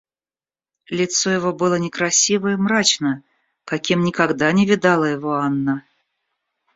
Лицо его было некрасиво и мрачно, каким никогда не видала его Анна.